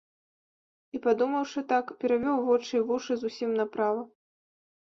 І, падумаўшы так, перавёў вочы і вушы зусім направа.